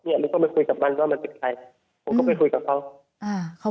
ผมหมายฟังก็ไปพื้นสักครั้งเฮีย์ก็ไปคุยกับเค้า